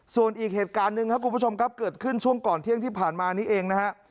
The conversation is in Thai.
ส่วนอีกเหตุการณ์หนึ่งครับคุณผู้ชมครับเกิดขึ้นช่วงก่อนเที่ยงที่ผ่านมานี้เองนะฮะ